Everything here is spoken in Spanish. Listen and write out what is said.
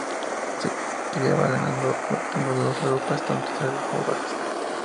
Se criaba ganado, adoptado de los europeas, tanto cerdos como vacas.